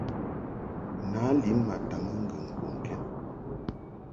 Nǎ lin ma taŋɨ ŋgɨŋ mbɔŋkɛd.